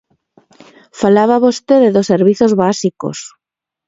Falaba vostede dos servizos básicos.